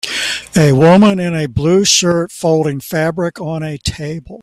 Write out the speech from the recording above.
A woman in a blue shirt folding fabric on a table